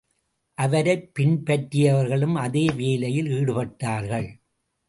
அவரைப் பின்பற்றியவர்களும் அதே வேலையில் ஈடுபட்டார்கள்.